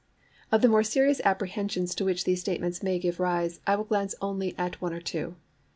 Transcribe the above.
POETIC VALUE INTRINSIC Of the more serious misapprehensions to which these statements may give rise I will glance only at one or two.